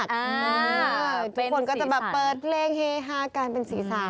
ทุกคนก็จะแบบเปิดเพลงเฮฮากันเป็นศีรษะ